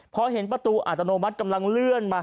พอเห็นประตูอัตโนมัติกำลังเลื่อนมา